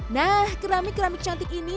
nah keramik keramik cantik ini